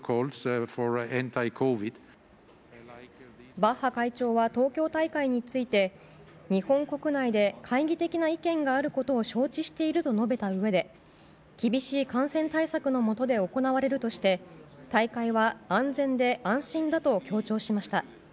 バッハ会長は東京大会について日本国内で懐疑的な意見があることを承知していると述べたうえで厳しい感染対策のもとで行われるとして大会は安全で安心だと強調しました。